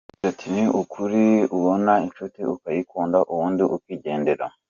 Yakomeje agira ati: “Ni ukuri ubona inshuti ukayikunda, ubundi ukigendera.